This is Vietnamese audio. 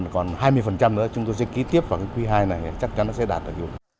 còn hai mươi nữa chúng tôi sẽ ký tiếp vào cái quý hai này chắc chắn nó sẽ đạt được